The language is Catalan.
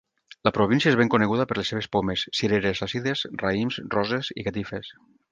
La província és ben coneguda per les seves pomes, cireres àcides, raïms, roses i catifes.